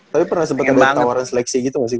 tapi pernah sempat ada tawaran seleksi gitu gak sih